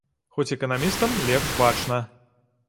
Хоць эканамістам лепш бачна.